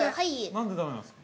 ◆何でだめなんですか。